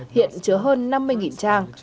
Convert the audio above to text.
hiện chứa hơn năm mươi trang